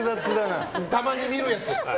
たまに見るやつ。